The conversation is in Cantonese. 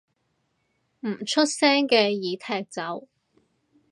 唔出聲嘅已踢走